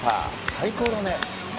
最高だね。